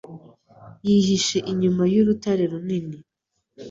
Yihishe inyuma y'urutare runini.